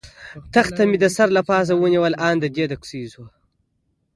تخته مې د سر له پاسه ونیول، آن دې ته.